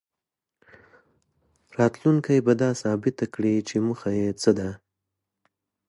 راتلونکې به دا ثابته کړي چې موخه یې څه ده.